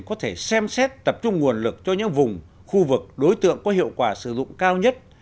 có thể xem xét tập trung nguồn lực cho những vùng khu vực đối tượng có hiệu quả sử dụng cao nhất